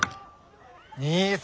兄様。